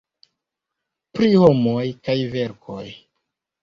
Pri Homoj kaj Verkoj.